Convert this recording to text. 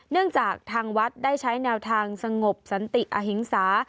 จากทางวัดได้ใช้แนวทางสงบสันติอหิงสา